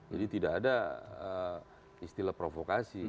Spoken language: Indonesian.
jadi tidak ada istilah provokasi